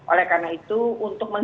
oleh karena itu